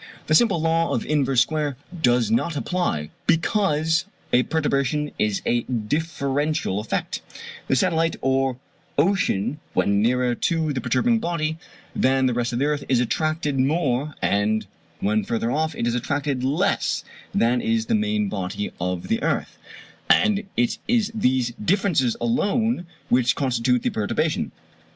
(The simple law of inverse square does not apply, because a perturbation is a differential effect: the satellite or ocean when nearer to the perturbing body than the rest of the earth, is attracted more, and when further off it is attracted less than is the main body of the earth; and it is these differences alone which constitute the perturbation.)